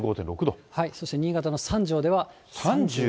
そして新潟の三条では３７．２度。